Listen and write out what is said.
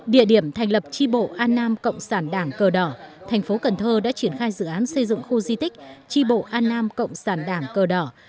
địa điểm thành lập tri bộ an nam cộng sản đảng cờ đỏ thành phố cần thơ đã triển khai dự án xây dựng khu di tích tri bộ an nam cộng sản đảng cờ đỏ